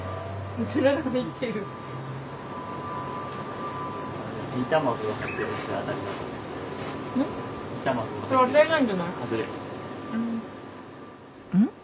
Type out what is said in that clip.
うん？